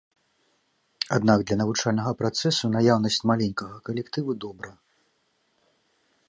Аднак для навучальнага працэсу наяўнасць маленькага калектыву добра.